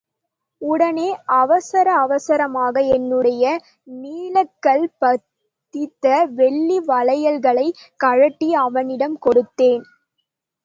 உடனே அவசர அவசரமாக என்னுடைய நீலக்கல் பதித்த வெள்ளி வளையல்களைக் கழட்டி அவனிடம் கொடுத்தேன்.